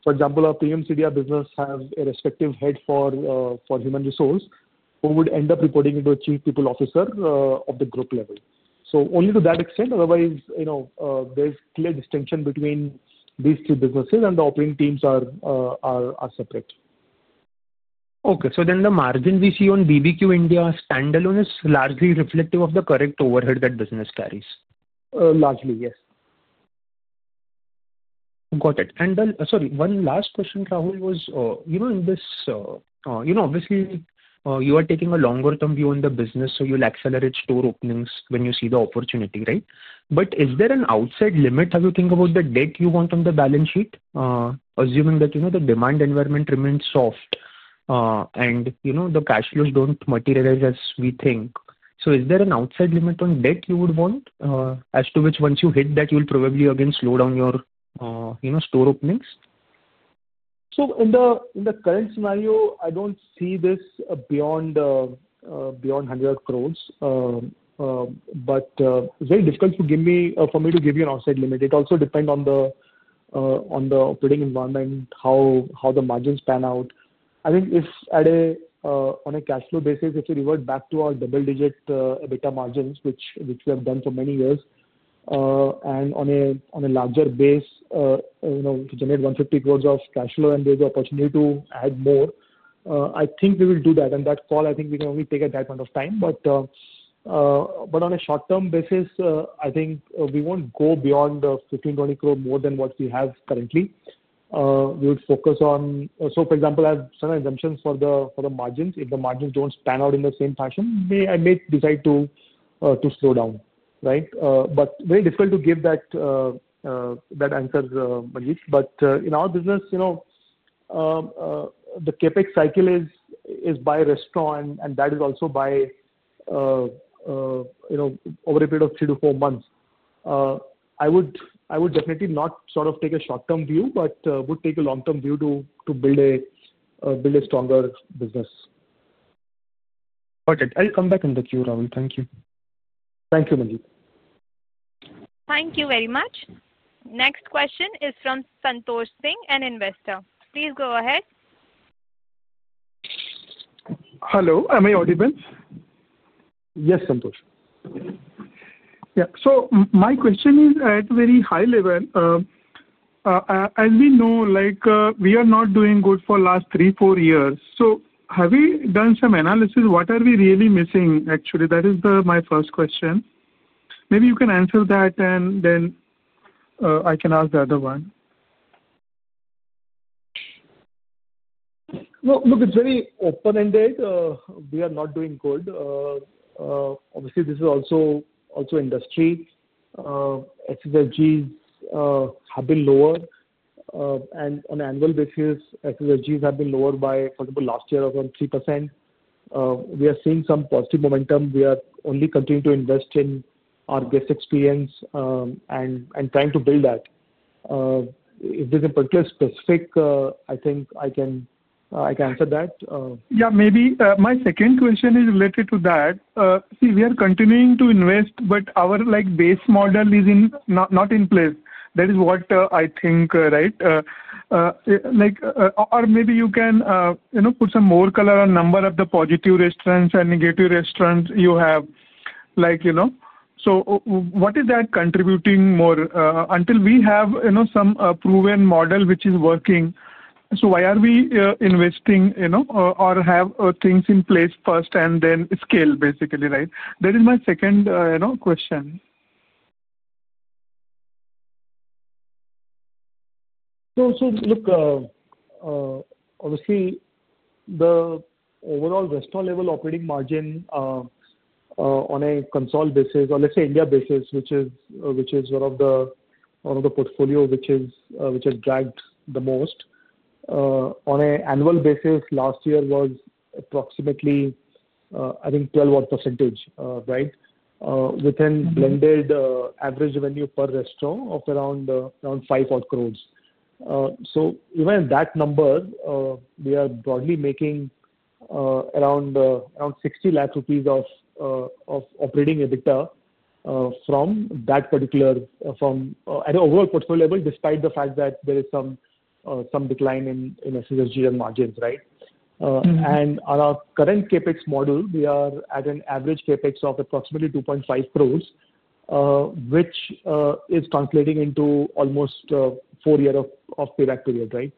For example, our premium CDR business has a respective head for human resource who would end up reporting to a Chief People Officer at the group level. Only to that extent. Otherwise, there is clear distinction between these two businesses, and the operating teams are separate. Okay. So then the margin we see Barbeque Nation India standalone is largely reflective of the correct overhead that business carries? Largely, yes. Got it. Sorry, one last question, Rahul, was in this obviously, you are taking a longer-term view on the business, so you'll accelerate store openings when you see the opportunity, right? Is there an outside limit? Have you thought about the debt you want on the balance sheet, assuming that the demand environment remains soft and the cash flows do not materialize as we think? Is there an outside limit on debt you would want, as to which once you hit that, you'll probably again slow down your store openings? In the current scenario, I do not see this beyond 100 crore, but it is very difficult for me to give you an offset limit. It also depends on the operating environment, how the margins pan out. I think if on a cash flow basis, if we revert back to our double-digit EBITDA margins, which we have done for many years, and on a larger base, if we generate 150 crore of cash flow and there is an opportunity to add more, I think we will do that. That call, I think we can only take at that point of time. On a short-term basis, I think we will not go beyond 15-20 crore more than what we have currently. We would focus on, so for example, I have some exemptions for the margins. If the margins do not pan out in the same fashion, I may decide to slow down, right? Very difficult to give that answer, Manjeet. In our business, the CapEx cycle is by restaurant, and that is also by over a period of three to four months. I would definitely not sort of take a short-term view, but would take a long-term view to build a stronger business. Got it. I'll come back on the queue, Rahul. Thank you. Thank you, Manjeet. Thank you very much. Next question is from Santosh Singh, an investor. Please go ahead. Hello. Am I audible? Yes, Santosh. Yeah. So my question is at a very high level. As we know, we are not doing good for the last three, four years. So have we done some analysis? What are we really missing, actually? That is my first question. Maybe you can answer that, and then I can ask the other one. Look, it's very open-ended. We are not doing good. Obviously, this is also industry. SSGs have been lower, and on an annual basis, SSGs have been lower by, for example, last year of around 3%. We are seeing some positive momentum. We are only continuing to invest in our guest experience and trying to build that. If there's a particular specific, I think I can answer that. Yeah. Maybe my second question is related to that. See, we are continuing to invest, but our base model is not in place. That is what I think, right? Maybe you can put some more color on the number of the positive restaurants and negative restaurants you have. What is that contributing more until we have some proven model which is working? Why are we investing or have things in place first and then scale, basically, right? That is my second question. Obviously, the overall restaurant-level operating margin on a consolidated basis, or let's say India basis, which is one of the portfolios which has dragged the most, on an annual basis, last year was approximately, I think, 12-odd percentage, right, with a blended average revenue per restaurant of around 5-odd crore. Even at that number, we are broadly making around 60 crore rupees of operating EBITDA from that particular, from an overall portfolio level, despite the fact that there is some decline in SSSG and margins, right? On our current CapEx model, we are at an average CapEx of approximately 2.5 crore, which is translating into almost four years of payback period, right?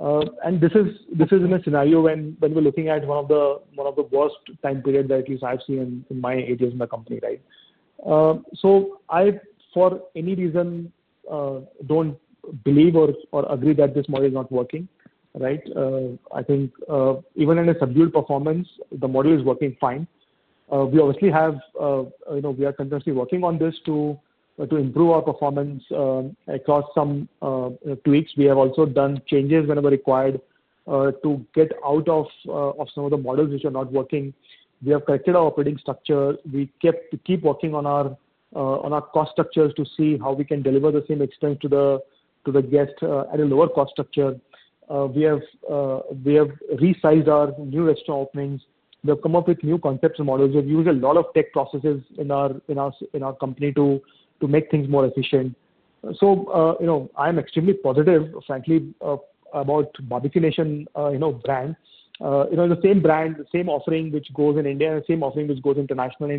This is in a scenario when we're looking at one of the worst time periods that at least I've seen in my eight years in my company, right? I, for any reason, don't believe or agree that this model is not working, right? I think even in a subdued performance, the model is working fine. We obviously have, we are continuously working on this to improve our performance. Across some tweaks, we have also done changes whenever required to get out of some of the models which are not working. We have corrected our operating structure. We keep working on our cost structures to see how we can deliver the same experience to the guest at a lower cost structure. We have resized our new restaurant openings. We have come up with new concepts and models. We have used a lot of tech processes in our company to make things more efficient. I'm extremely positive, frankly, about Barbeque Nation brand. The same brand, the same offering which goes in India, the same offering which goes internationally,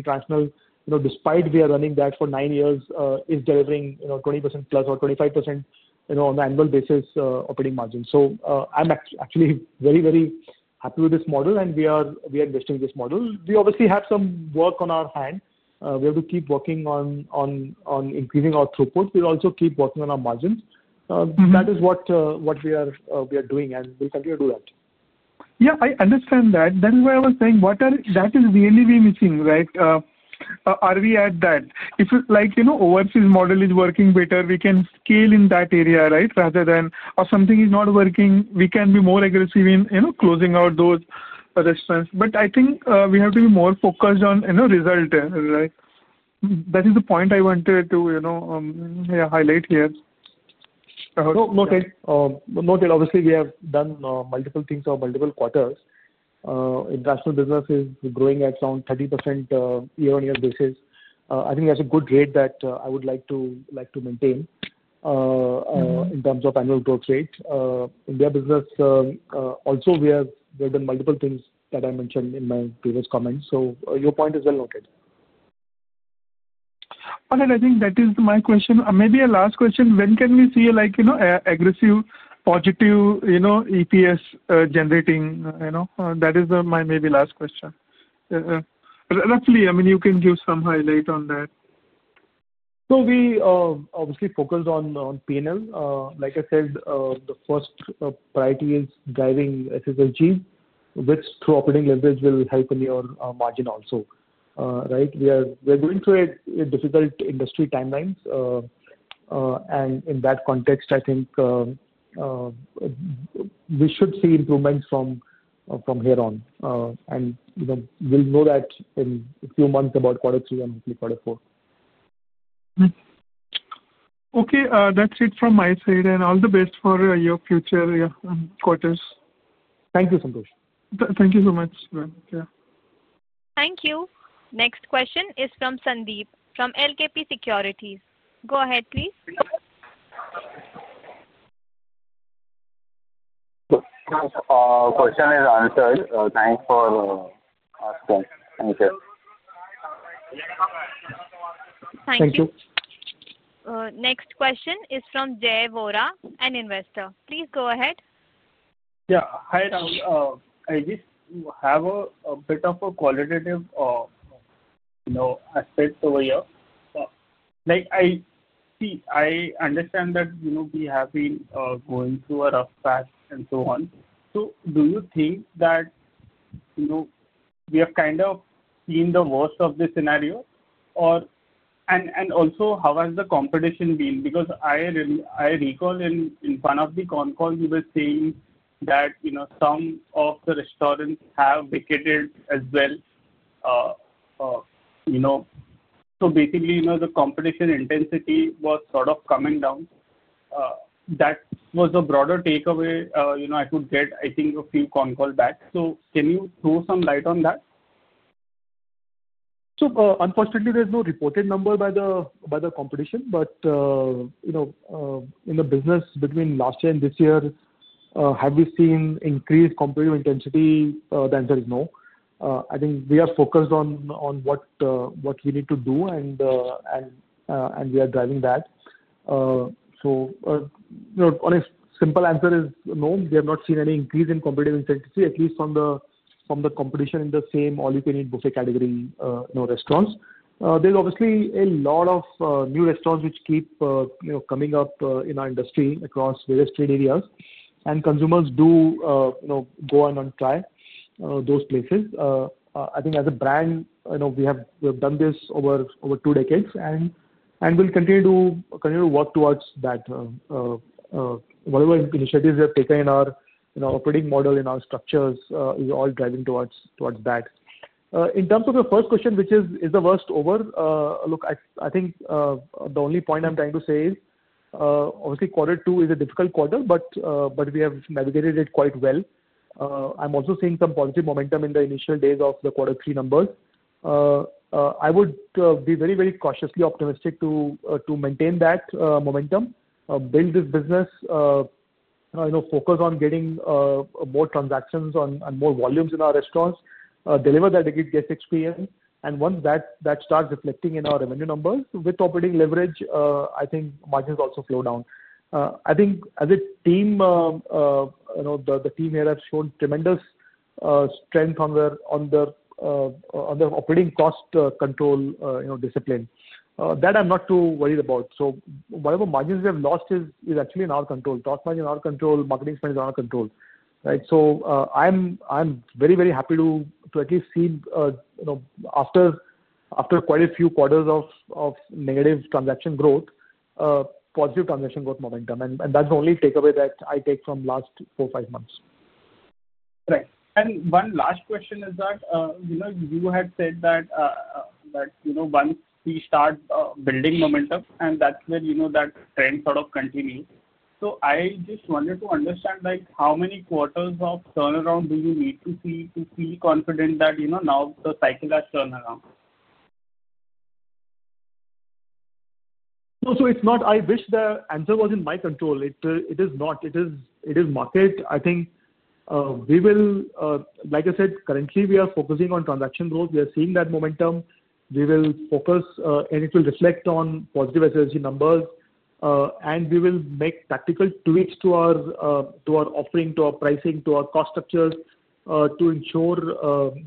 despite we are running that for nine years, is delivering 20%+ or 25% on an annual basis operating margin. I am actually very, very happy with this model, and we are investing in this model. We obviously have some work on our hand. We have to keep working on increasing our throughput. We will also keep working on our margins. That is what we are doing, and we will continue to do that. Yeah, I understand that. That is why I was saying that is really we missing, right? Are we at that? If overseas model is working better, we can scale in that area, right? Or something is not working, we can be more aggressive in closing out those restaurants. I think we have to be more focused on result, right? That is the point I wanted to highlight here. Noted. Obviously, we have done multiple things over multiple quarters. International business is growing at around 30% year-on-year basis. I think that's a good rate that I would like to maintain in terms of annual growth rate. India business, also we have done multiple things that I mentioned in my previous comments. Your point is well noted. I think that is my question. Maybe a last question. When can we see aggressive, positive EPS generating? That is my maybe last question. Roughly, I mean, you can give some highlight on that. We obviously focus on P&L. Like I said, the first priority is driving SSG, which through operating leverage will help in your margin also, right? We are going through a difficult industry timeline. In that context, I think we should see improvements from here on. We'll know that in a few months about quarter three and hopefully quarter four. Okay. That's it from my side, and all the best for your future quarters. Thank you, Santosh. Thank you so much. Thank you. Next question is from Sandeep from LKP Securities. Go ahead, please. Thanks for your question and answer. Thanks for asking. Thank you. Thank you. Next question is from Jay Vora, an investor. Please go ahead. Yeah. Hi, Rahul. I just have a bit of a qualitative aspect over here. I understand that we have been going through a rough patch and so on. Do you think that we have kind of seen the worst of the scenario? Also, how has the competition been? Because I recall in one of the con calls, you were saying that some of the restaurants have vacated as well. Basically, the competition intensity was sort of coming down. That was a broader takeaway I could get, I think, a few con calls back. Can you throw some light on that? Unfortunately, there is no reported number by the competition, but in the business between last year and this year, have we seen increased competitive intensity? The answer is no. I think we are focused on what we need to do, and we are driving that. Honest simple answer is no. We have not seen any increase in competitive intensity, at least from the competition in the same all-you-can-eat buffet category restaurants. There are obviously a lot of new restaurants which keep coming up in our industry across various trade areas, and consumers do go and try those places. I think as a brand, we have done this over two decades, and we will continue to work towards that. Whatever initiatives we have taken in our operating model, in our structures, is all driving towards that. In terms of the first question, which is the worst over, look, I think the only point I'm trying to say is, obviously, quarter two is a difficult quarter, but we have navigated it quite well. I'm also seeing some positive momentum in the initial days of the quarter three numbers. I would be very, very cautiously optimistic to maintain that momentum, build this business, focus on getting more transactions and more volumes in our restaurants, deliver that guest experience. Once that starts reflecting in our revenue numbers, with operating leverage, I think margins also slow down. I think as a team, the team here has shown tremendous strength on the operating cost control discipline. That I'm not too worried about. Whatever margins we have lost is actually in our control. Toss margin is in our control. Marketing spend is in our control, right? I'm very, very happy to at least see, after quite a few quarters of negative transaction growth, positive transaction growth momentum. That's the only takeaway that I take from last four, five months. Right. One last question is that you had said that once we start building momentum, that's when that trend sort of continues. I just wanted to understand how many quarters of turnaround do you need to see to feel confident that now the cycle has turned around? No, it is not. I wish the answer was in my control. It is not. It is market. I think we will, like I said, currently, we are focusing on transaction growth. We are seeing that momentum. We will focus, and it will reflect on positive SSG numbers. We will make practical tweaks to our offering, to our pricing, to our cost structures to ensure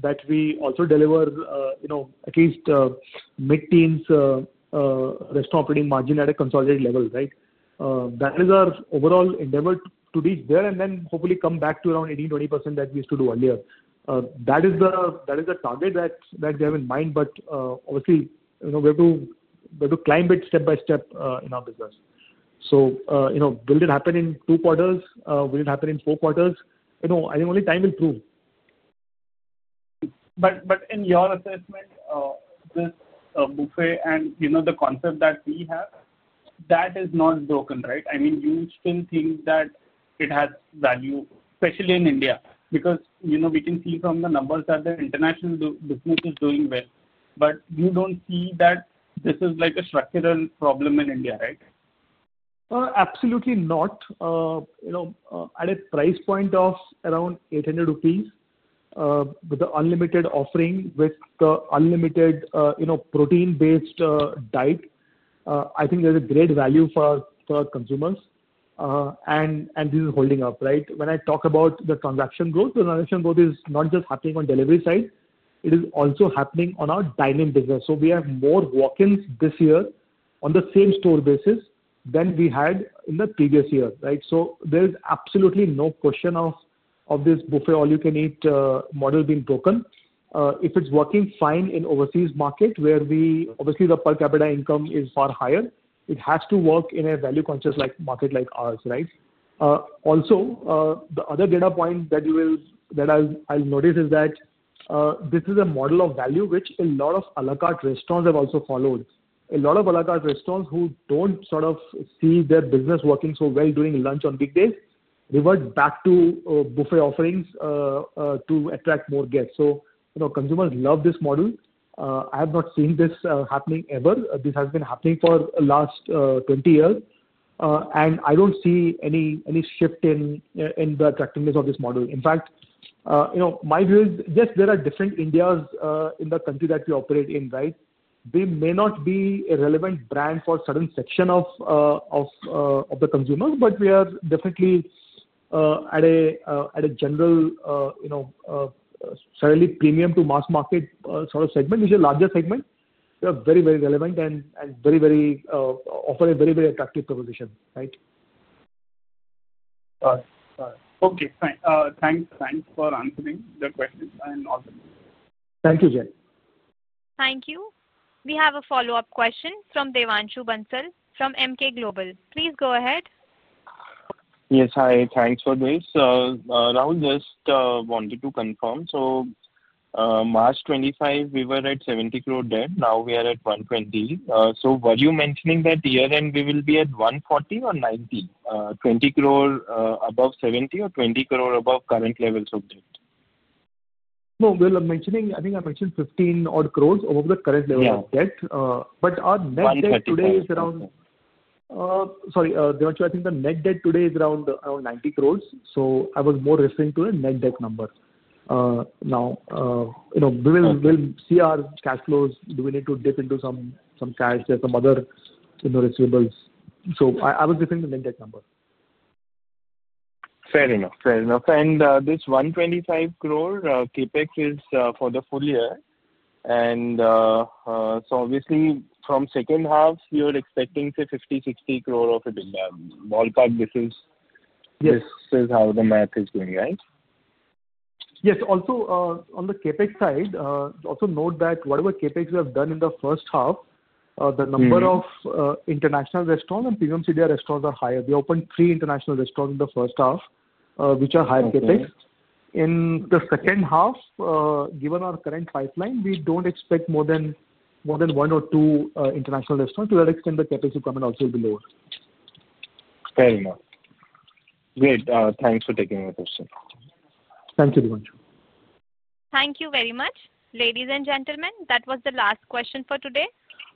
that we also deliver at least mid-teens restaurant operating margin at a consolidated level, right? That is our overall endeavor to reach there, and then hopefully come back to around 18-20% that we used to do earlier. That is the target that we have in mind, but obviously, we have to climb it step by step in our business. Will it happen in two quarters? Will it happen in four quarters? I think only time will prove. In your assessment, this buffet and the concept that we have, that is not broken, right? I mean, you still think that it has value, especially in India, because we can see from the numbers that the international business is doing well. You do not see that this is a structural problem in India, right? Absolutely not. At a price point of around 800 rupees with the unlimited offering, with the unlimited protein-based diet, I think there's a great value for consumers. This is holding up, right? When I talk about the transaction growth, the transaction growth is not just happening on the delivery side. It is also happening on our dine-in business. We have more walk-ins this year on the same store basis than we had in the previous year, right? There's absolutely no question of this buffet all-you-can-eat model being broken. If it's working fine in overseas markets, where obviously the per capita income is far higher, it has to work in a value-conscious market like ours, right? Also, the other data point that I'll notice is that this is a model of value which a lot of à la carte restaurants have also followed. A lot of à la carte restaurants who do not sort of see their business working so well during lunch on weekdays revert back to buffet offerings to attract more guests. Consumers love this model. I have not seen this happening ever. This has been happening for the last 20 years. I do not see any shift in the attractiveness of this model. In fact, my view is, yes, there are different Indias in the country that we operate in, right? We may not be a relevant brand for a certain section of the consumers, but we are definitely at a general slightly premium to mass market sort of segment, which is a larger segment. We are very, very relevant and offer a very, very attractive proposition, right? Got it. Got it. Okay. Thanks. Thanks for answering the questions and all that. Thank you, Jay. Thank you. We have a follow-up question from Devanshu Bansal from Emkay Global. Please go ahead. Yes. Hi. Thanks for doing this. Rahul, just wanted to confirm. March 2025, we were at 70 crore debt. Now we are at 120 crore. Were you mentioning that year-end we will be at 140 crore or 90 crore? 20 crore above 70 crore or 20 crore above current levels of debt? No. I think I mentioned 15 crore-odd over the current level of debt. But our net debt today is around. Sorry, Devanshu. I think the net debt today is around 90 crore. I was more referring to a net debt number. Now, we'll see our cash flows. Do we need to dip into some cash? There are some other receivables. I was referring to the net debt number. Fair enough. Fair enough. This 125 crore CapEx is for the full year. Obviously, from the second half, you're expecting 50-60 crore of a billion. Ballpark, this is how the math is going, right? Yes. Also, on the CapEx side, also note that whatever CapEx we have done in the first half, the number of international restaurants and premium city restaurants are higher. We opened three international restaurants in the first half, which are higher CapEx. In the second half, given our current pipeline, we do not expect more than one or two international restaurants. To that extent, the CapEx will come in also will be lower. Fair enough. Great. Thanks for taking my question. Thank you, Devanshu. Thank you very much. Ladies and gentlemen, that was the last question for today.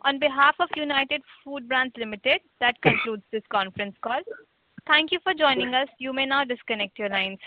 On behalf of United Foodbrands Limited, that concludes this conference call. Thank you for joining us. You may now disconnect your lines.